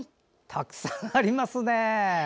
たくさんありますね。